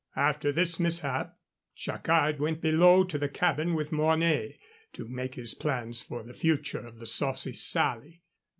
After this mishap, Jacquard went below to the cabin with Mornay to make his plans for the future of the Saucy Sally.